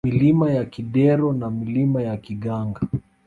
Milima ya Kidero na Milima ya Kiganga